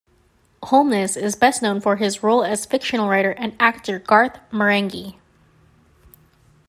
Holness is best known for his role as fictional writer and actor Garth Marenghi.